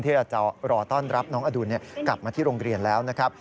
เราจะรอต้อนรับน้องอดุลกลับมาที่โรงเรียนแล้วนะครับ